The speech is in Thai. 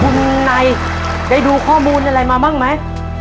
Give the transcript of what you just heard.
คุณนายได้ดูข้อมูลอะไรมาบ้างไหม